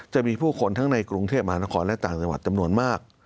จะมีผู้คนทั้งในกรุงเทพมหานครและต่างจังหวัดจำนวนมาก